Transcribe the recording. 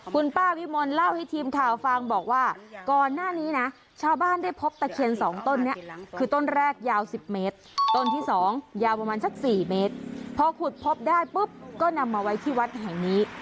คุณป้าวิมลเล่าให้ทีมข่าวฟังบอกว่าก่อนหน้านี้นะชาวบ้านได้พบตะเคียนสองต้นนี้คือต้นแรกยาว๑๐เมตรต้นที่๒ยาวประมาณสัก๔เมตรพอขุดพบได้ปุ๊บก็นำมาไว้ที่วัดแห่งนี้